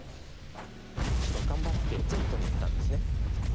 白頑張って全部取りにいったんですね。